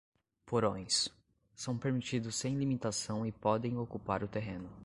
Porões: são permitidos sem limitação e podem ocupar o terreno.